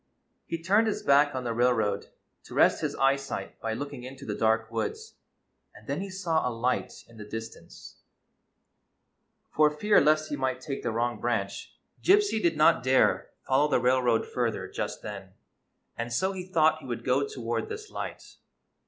He turned his back on the railroad to rest his eyesight by looking into the dark woods, and then he saw a light in the dis tance. For fear lest he might take the wrong branch, Gypsy did not dare follow the railroad further GYPSY, THE TALKING DOG just tlien, and so lie thought he would go toward this light.